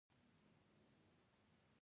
د ژمي له خوا بخارۍ اړینه وي.